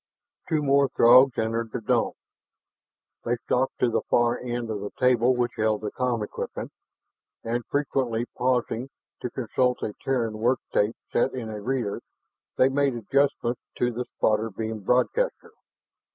Two more Throgs entered the dome. They stalked to the far end of the table which held the com equipment, and frequently pausing to consult a Terran work tape set in a reader, they made adjustments to the spotter beam broadcaster.